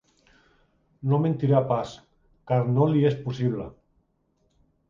No mentirà pas, car no li és possible.